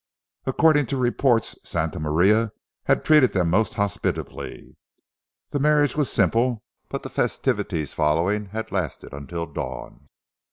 According to reports, Santa Maria had treated them most hospitably. The marriage was simple, but the festivities following had lasted until dawn.